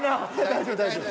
大丈夫大丈夫。